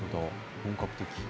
本格的。